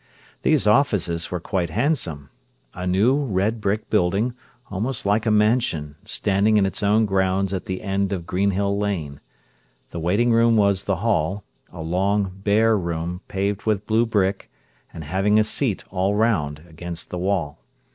These offices were quite handsome: a new, red brick building, almost like a mansion, standing in its own grounds at the end of Greenhill Lane. The waiting room was the hall, a long, bare room paved with blue brick, and having a seat all round, against the wall.